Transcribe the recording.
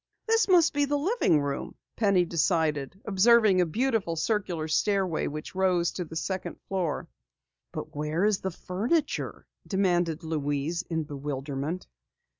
"This must be the living room," Penny decided, observing a beautiful, circular stairway which rose to the second floor. "But where is the furniture?" demanded Louise in bewilderment.